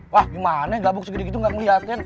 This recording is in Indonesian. wah gimana gabuk segini gitu gak ngeliatin